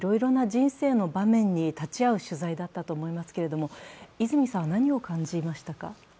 人生の場面に立ち会う取材だったと思いますけど、泉さんは何を感じましたか？